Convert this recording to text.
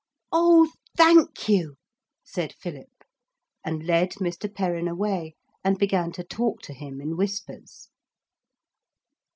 'Oh, thank you,' said Philip, and led Mr. Perrin away and began to talk to him in whispers.